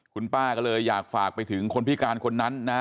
คุณป้าก็เลยอยากฝากไปถึงคนพิการคนนั้นนะ